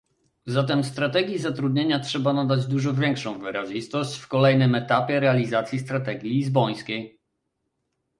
Zatem strategii zatrudnienia trzeba nadać dużo większą wyrazistość w kolejnym etapie realizacji strategii lizbońskiej